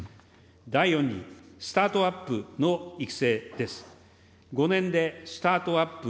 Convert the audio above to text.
第４に、スタートアップの育成です。